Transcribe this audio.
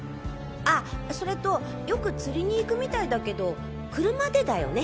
あぁそれとよく釣りに行くみたいだけど車でだよね？